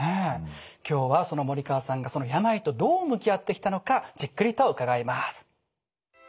今日はその森川さんが病とどう向き合ってきたのかじっくりと伺います。